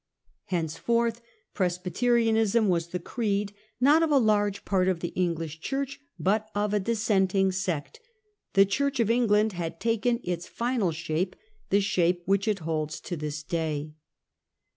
Henceforth Presbyterianism was the creed, not of a large part pf the h 2 ioo Triumph of Anglican Church. 1662. English Church, but of a Dissenting sect ; the Church of England had taken its final shape, the shape which it holds to this day.